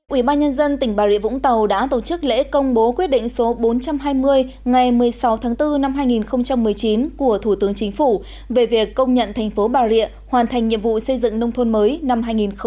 ủy ban nhân dân tỉnh bà rịa vũng tàu đã tổ chức lễ công bố quyết định số bốn trăm hai mươi ngày một mươi sáu tháng bốn năm hai nghìn một mươi chín của thủ tướng chính phủ về việc công nhận thành phố bà rịa hoàn thành nhiệm vụ xây dựng nông thôn mới năm hai nghìn một mươi chín